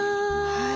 はい。